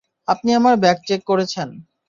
আপনি আমার bag check করেছেন।